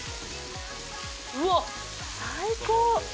うわっ最高！